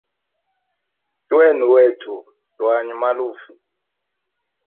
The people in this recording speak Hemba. Twene wetu twanywe maluvu.